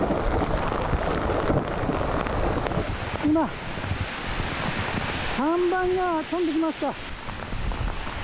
今、看板が飛んできました。